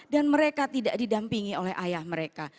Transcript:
dan mereka tidak didampingi oleh ayah mereka